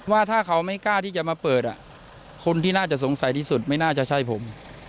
ว่าถ้าเขาไม่กล้าที่จะมาเปิดคนที่น่าจะสงสัยที่สุดไม่น่าจะใช่ผม